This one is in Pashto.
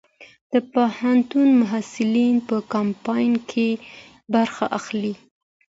د پوهنتون محصلین په کمپاین کې برخه اخلي؟